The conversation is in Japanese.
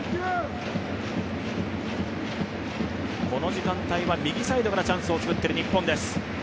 この時間帯は右サイドからチャンスを作っている日本です。